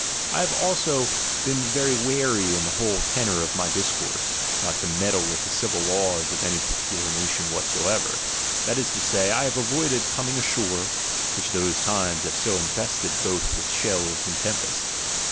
I have also been very wary in the whole ^tenom" of my discourse, not to meddle with the ivil laws of any particular nation whatsoever : is to say, I have avoided coming ashore, which e times have so infested both with shelves and lempests.